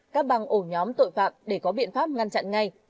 các băng ổ nhóm tội phạm để có biện pháp ngăn chặn ngay